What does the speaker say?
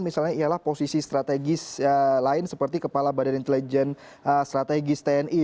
misalnya ialah posisi strategis lain seperti kepala badan intelijen strategis tni